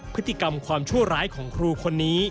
พฤติกรรมความชั่วร้ายของครูคนนี้